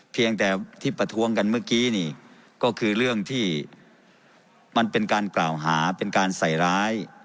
เพียงแต่ที่ประท้วงกันเมื่อกี้นี่ก็คือเรื่องที่มันเป็นการกล่าวหาเป็นการใส่ร้าย